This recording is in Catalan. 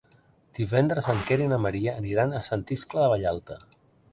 Divendres en Quer i na Maria aniran a Sant Iscle de Vallalta.